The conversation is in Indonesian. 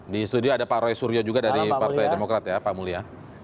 di studio ada pak roy suryo juga dari partai demokrat ya pak mulia